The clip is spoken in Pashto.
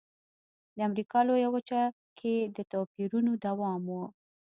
د امریکا لویه وچه کې د توپیرونو دوام و.